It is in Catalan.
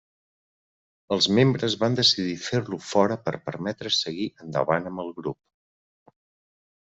Els membres van decidir fer-lo fora per permetre seguir endavant amb el grup.